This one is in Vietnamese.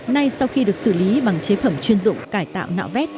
nay sau khi được xử lý bằng chế phẩm chuyên dụng cải tạo nạo vét